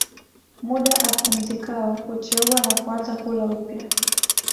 Muda apumzikao hucheua na kuanza kula upyaa